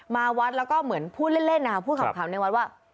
มาวัดแล้วก็เหมือนพูดเล่นนะคะพูดขำในวัดว่า